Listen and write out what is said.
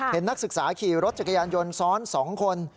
นักศึกษาขี่รถจักรยานยนต์ซ้อน๒คน